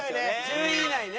１０位以内ね。